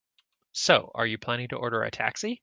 So, are you planning to order a taxi?